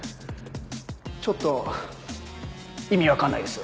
ちょっと意味分かんないです。